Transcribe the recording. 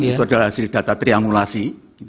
itu adalah hasil data trianulasi